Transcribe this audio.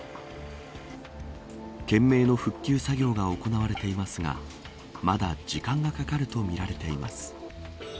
懸命の復旧作業が行われていますがまだ時間がかかるとみられています。